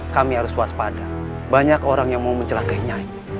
kami harus waspada banyak orang yang mau mencelakai nyai